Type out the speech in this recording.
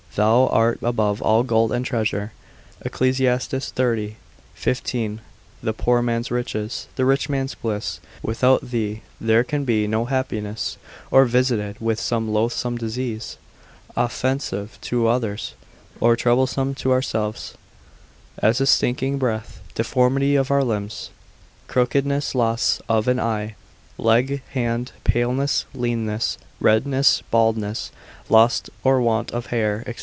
thou art above all gold and treasure, Ecclus. xxx. 15, the poor man's riches, the rich man's bliss, without thee there can be no happiness: or visited with some loathsome disease, offensive to others, or troublesome to ourselves; as a stinking breath, deformity of our limbs, crookedness, loss of an eye, leg, hand, paleness, leanness, redness, baldness, loss or want of hair, &c.